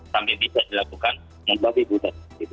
sampai bisa dilakukan dan babi buta